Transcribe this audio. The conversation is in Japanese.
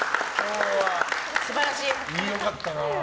良かったな。